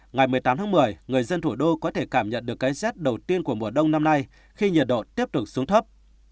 ngày một mươi tám tháng một mươi người dân thủ đô có thể cảm nhận được cái rét đầu tiên của mùa đông năm nay khi nhiệt độ tiếp tục xuống thấp